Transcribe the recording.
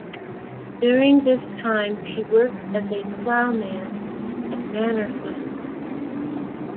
During this time she worked as a ploughman at Manor Farm.